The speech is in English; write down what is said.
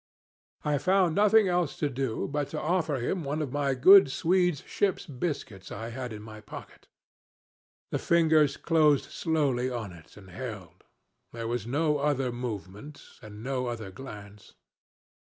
I found nothing else to do but to offer him one of my good Swede's ship's biscuits I had in my pocket. The fingers closed slowly on it and held there was no other movement and no other glance.